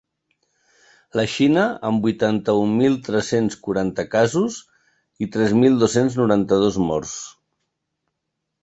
La Xina, amb vuitanta-un mil tres-cents quaranta casos i tres mil dos-cents noranta-dos morts.